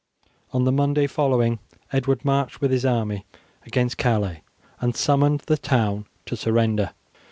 On the Monday following Edward marched with his army against Calais, and summoned the town to surrender.